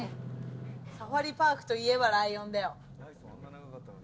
サファリパークといえばライオンだよ。